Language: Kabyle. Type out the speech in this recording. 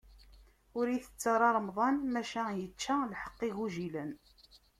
Ur itett ara remḍan, maca yečča lḥeqq igujilen.